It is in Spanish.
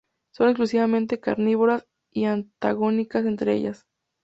Son exclusivamente carnívoras y antagónicas entre ellas.